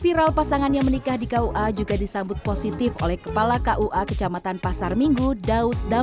viral pasangan yang menikah di kua juga disambut positif oleh kepala kua kecamatan pasar minggu daud